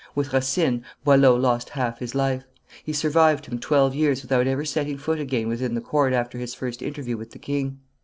With Racine, Boileau lost half his life. He survived him twelve years without ever setting foot again within the court after his first interview with the king.